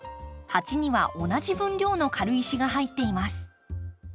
鉢には同じ分量の軽石が入っています。